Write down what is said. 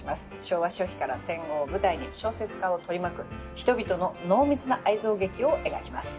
昭和初期から戦後を舞台に小説家を取り巻く人々の濃密な愛憎劇を描きます。